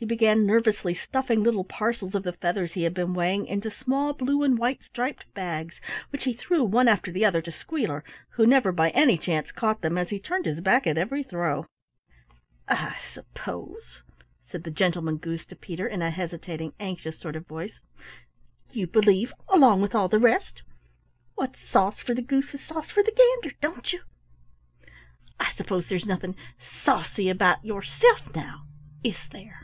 He began nervously stuffing little parcels of the feathers he had been weighing into small blue and white striped bags, which he threw one after the other to Squealer, who never by any chance caught them as he turned his back at every throw. "I suppose," said the Gentleman Goose to Peter in a hesitating, anxious sort of voice, "you believe along with all the rest, what's sauce for the goose is sauce for the gander, don't you? I suppose there's nothing sauce y about yourself now, is there?"